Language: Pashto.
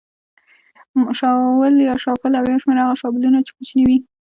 شاول یا شافول او یو شمېر هغه شابلونونه چې کوچني وي.